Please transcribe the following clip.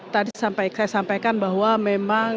tadi saya sampaikan bahwa memang